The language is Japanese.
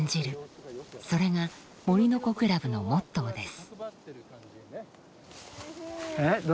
それが森の子クラブのモットーです。